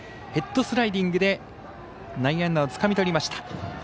ヘッドスライディングで内野安打をつかみとりました。